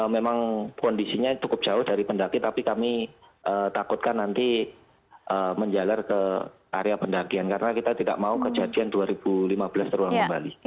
memang kondisinya cukup jauh dari pendaki tapi kami takutkan nanti menjalar ke area pendakian karena kita tidak mau kejadian dua ribu lima belas terulang kembali